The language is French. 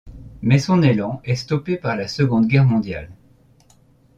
Mais son élan est stoppé par la Seconde Guerre mondiale.